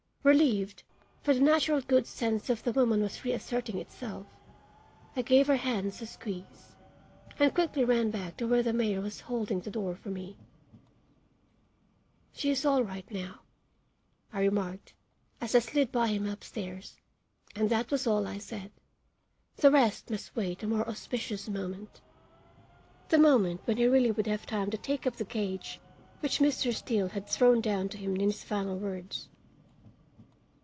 Relieved, for the natural good sense of the woman was reasserting itself, I gave her hands a squeeze and quickly ran back to where the mayor was holding the door for me. "She is all right now," I remarked, as I slid by him upstairs; and that was all I said. The rest must wait a more auspicious moment the moment when he really would have time to take up the gage which Mr. Steele had thrown down to him in his final words.